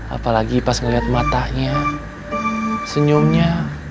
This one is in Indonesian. apalagi pas ngeliat matanya senyumnya